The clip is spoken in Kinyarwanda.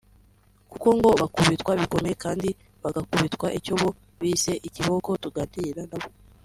kuko ngo bakubitwa bikomeye kandi bagakubitwa icyo bo bise ikiboko tuganira nabo